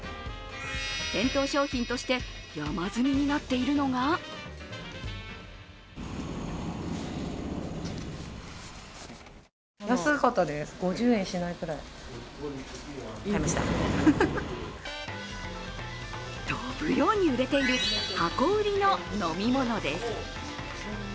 店頭商品として山積みになっているのが飛ぶように売れている箱売りの飲み物です。